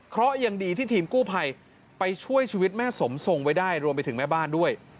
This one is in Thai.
เพราะยังดีที่ทีมกู้ภัยไปช่วยชีวิตแม่สมทรงไว้ได้รวมไปถึงแม่บ้านด้วย